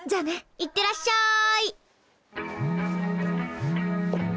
いってらっしゃい！